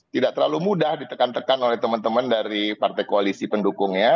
tidak terlalu mudah ditekan tekan oleh teman teman dari partai koalisi pendukungnya